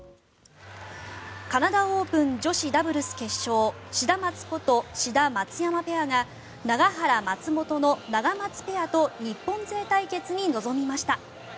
カナダオープン女子ダブルス決勝シダマツこと志田・松山ペアが永原・松本のナガマツペアと日本勢対決に臨みました。